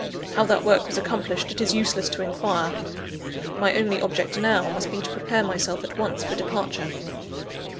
How that work was accomplished it is useless to inquire; my only object now, must be to prepare myself at once for departure.